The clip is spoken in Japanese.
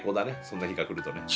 そんな日が来るとね。